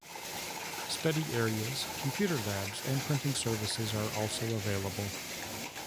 Study areas, computer labs, and printing services are also available.